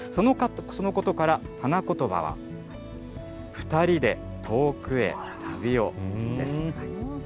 そのことから花言葉は、二人で遠くへ旅をです。